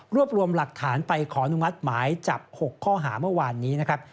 รวมรวมหลักฐานไปขออนุมัติหมายจับ๖ข้อหาเมื่อวานนี้นะครับ